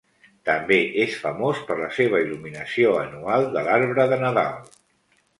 També és famós per la seva il·luminació anual de l'arbre de nadal.